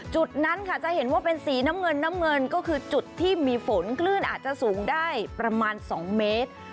จุดนั้นค่ะจะเห็นว่าเป็นสีน้ำเงินน้ำเงินก็คือจุดที่มีฝนคลื่นอาจจะสูงได้ประมาณ๒เมตร